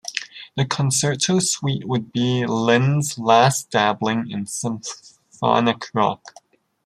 The "Concerto" suite would be Lynne's last dabbling in symphonic rock.